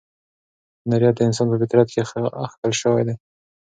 هنریت د انسان په فطرت کې اخښل شوی دی.